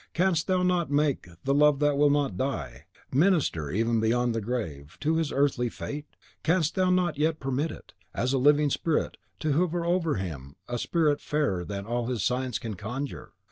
Canst Thou not make the love that will not die, minister, even beyond the grave, to his earthly fate? Canst Thou not yet permit it, as a living spirit, to hover over him, a spirit fairer than all his science can conjure?